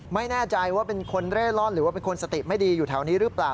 ไม่แน่ใจว่าเป็นคนเร่ร่อนหรือว่าเป็นคนสติไม่ดีอยู่แถวนี้หรือเปล่า